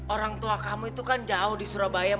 orang tua kamu itu kan jauh di surabaya